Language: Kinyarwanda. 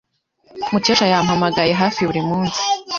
Mukesha yampamagaye hafi buri munsi.